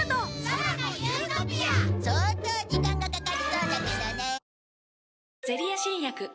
相当時間がかかりそうだけどね。